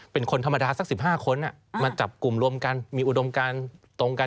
เป็นคนธรรมดาสัก๑๕คนมาจับกลุ่มรวมกันมีอุดมการตรงกัน